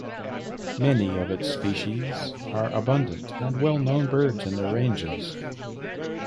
Many of its species are abundant and well-known birds in their ranges.